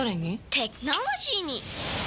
テクノロジーに！